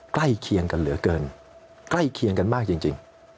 ใกล้เคียงกันเหลือเกินใกล้เคียงกันมากจริง